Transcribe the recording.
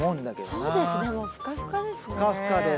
そうですねもうふかふかですね。